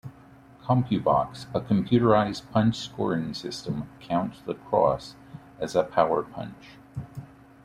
Compubox, a computerized punch scoring system, counts the cross as a "power-punch".